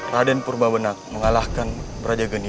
raden purba menang mengalahkan brajageni